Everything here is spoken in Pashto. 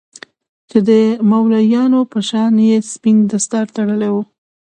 چې د مولويانو په شان يې سپين دستار تړلى و.